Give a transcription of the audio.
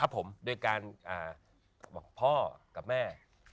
พ่อกับแม่